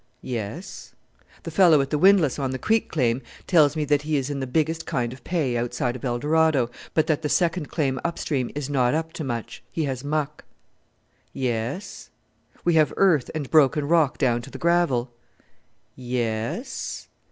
"Yes." "The fellow at the windlass on the creek claim tells me that he is in the biggest kind of pay outside of Eldorado, but that the second claim up stream is not up to much. He has muck." "Yes." "We have earth and broken rock down to the gravel." "Yes."